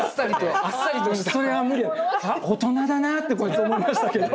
それはもう大人だなって思いましたけど。